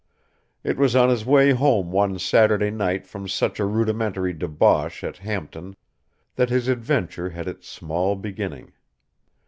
It was on his way home one Saturday night from such a rudimentary debauch at Hampton that his Adventure had its small beginning.